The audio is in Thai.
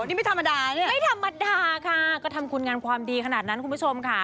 นี่ไม่ธรรมดาเนี่ยไม่ธรรมดาค่ะก็ทำคุณงามความดีขนาดนั้นคุณผู้ชมค่ะ